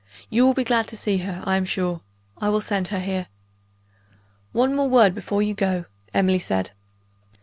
"You will be glad to see her, I am sure. I will send her here." "One word more before you go," Emily said.